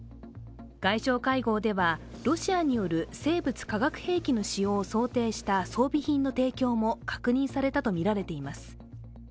外相会合では、ロシアによる生物化学兵器の使用を想定した装備品の提供も確認されたとみられています。